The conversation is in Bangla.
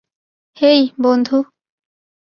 হেই, বন্ধু।